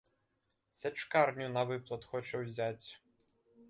Сячкарню на выплат хоча ўзяць.